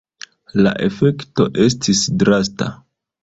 La efekto estis drasta.